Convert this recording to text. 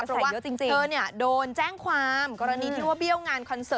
เพราะว่าเธอโดนแจ้งความกรณีที่ว่าเบี้ยวงานคอนเสิร์